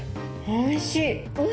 おいしい！